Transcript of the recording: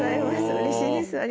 うれしいです。